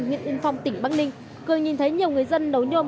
huyện yên phong tỉnh bắc ninh cường nhìn thấy nhiều người dân nấu nhôm